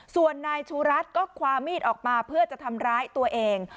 ส่วนนายชูรัฐก็ความมีดออกมาเพื่อจะทำร้ายตัวเอง